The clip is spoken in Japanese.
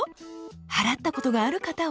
払ったことがある方は？